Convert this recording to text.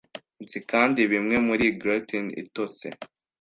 Nzi kandi bimwe muri gluten itose